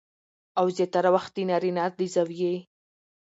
او زياتره وخت د نارينه د زاويې